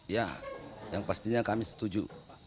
ya yang pastinya kami setuju